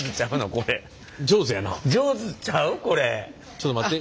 ちょっと待って。